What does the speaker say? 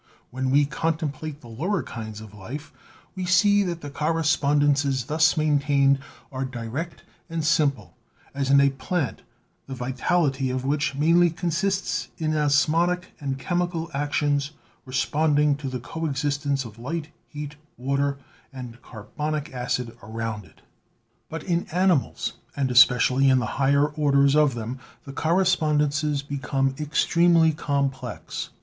"When we contemplate the lower kinds of life, we see that the correspondences thus maintained are direct and simple; as in a plant, the vitality of which mainly consists in osmotic and chemical actions responding to the co existence of light, heat, water and carbonic acid around it. But in animals, and especially in the higher orders of them, the correspondences become extremely complex.